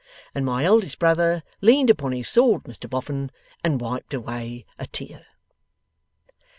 And my eldest brother lean'd upon his sword, Mr Boffin, And wiped away a tear.